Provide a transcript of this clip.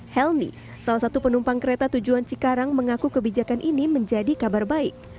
helni salah satu penumpang kereta tujuan cikarang mengaku kebijakan ini menjadi kabar baik